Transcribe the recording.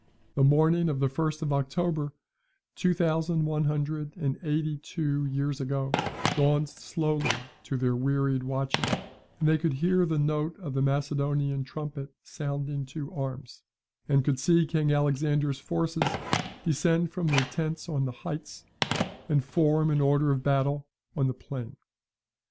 The morning of the first of October, two thousand one hundred and eighty two years ago, dawned slowly to their wearied watching, and they could hear the note of the Macedonian trumpet sounding to arms, and could see King Alexander's forces descend from their tents on the heights, and form in order of battle on the plain.